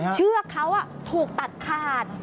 เชือกเขาถูกตัดขาด